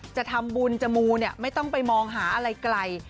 จะทำบุญจะมูเนี่ยไม่ต้องไปมองหาอะไรไกล